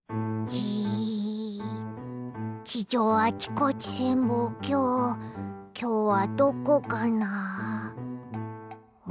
地上あちこち潜望鏡きょうはどこかな？